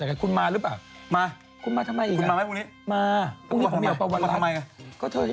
มาทำไม